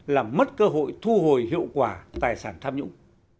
làm mất cơ hội thu hồi hiệu quả tài sản tham nhũng